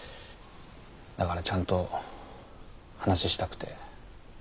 だからちゃんと話したくて。